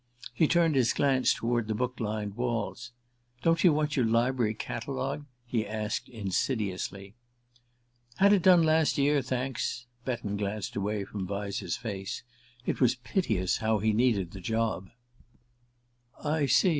He turned his glance toward the book lined walls. "Don't you want your library catalogued?" he asked insidiously. "Had it done last year, thanks." Betton glanced away from Vyse's face. It was piteous, how he needed the job! "I see.